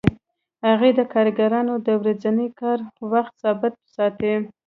هغه د کارګرانو د ورځني کار وخت ثابت ساتي